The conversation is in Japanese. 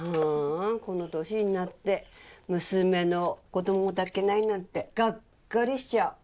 この年になって娘の子供も抱けないなんてがっかりしちゃう。